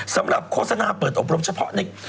สำหรับโฆษณาเปิดอบรมเฉพาะใน